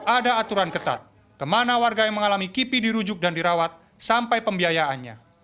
ada aturan ketat kemana warga yang mengalami kipi dirujuk dan dirawat sampai pembiayaannya